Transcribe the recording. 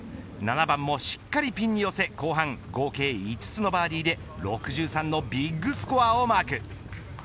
７番もしっかりピンに寄せ後半、合計５つのバーディーで６３のビッグスコアをマーク。